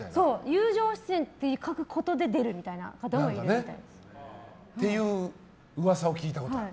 友情出演と書くことで出るみたいな。っていううわさを聞いたことある。